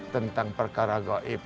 tentang perkara goib